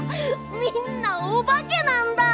みんなおばけなんだ！